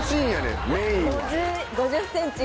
「５０ｃｍ」